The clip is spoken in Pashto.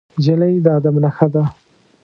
نجلۍ د ادب نښه ده.